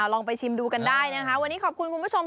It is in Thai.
ลองไปชิมดูกันได้นะคะวันนี้ขอบคุณคุณผู้ชม